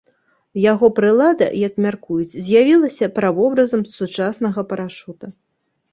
Яго прылада, як мяркуюць, з'явілася правобразам сучаснага парашута.